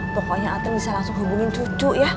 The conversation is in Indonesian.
pokoknya aten bisa langsung hubungin cucu ya